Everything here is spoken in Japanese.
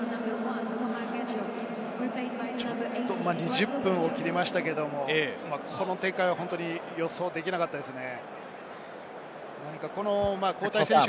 ２０分を切りましたけれど、この展開は本当に予想できなかったですね。